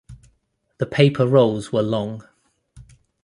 The paper rolls were long.